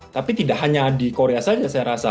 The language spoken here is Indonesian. tapi tidak hanya di korea saja saya rasa